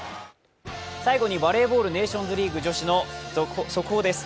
最後にバレーボールネーションズリーグ女子の速報です。